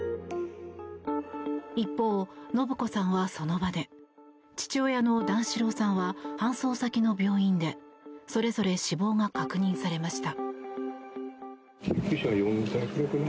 一方、延子さんはその場で父親の段四郎さんは搬送先の病院でそれぞれ死亡が確認されました。